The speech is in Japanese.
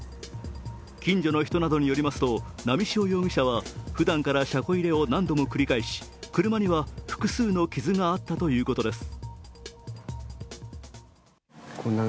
近所の人などによりますと、波汐容疑者はふだんから車庫入れを何度も繰り返し、車には複数の傷があったということです。